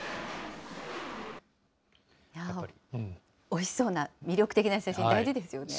おいしそうな、魅力的な写真、大事ですよね。